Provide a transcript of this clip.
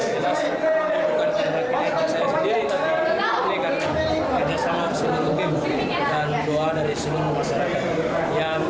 jelas ini bukan terakhir saya sendiri tapi mereka kerjasama bersama sama dengan doa dari seluruh masyarakat